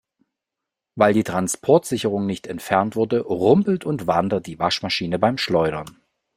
Weil die Transportsicherung nicht entfernt wurde, rumpelt und wandert die Waschmaschine beim Schleudern.